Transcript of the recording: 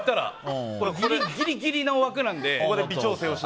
ギリギリの枠なんで。